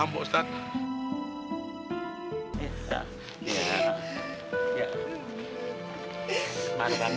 urusan sulam udah kelar nih pak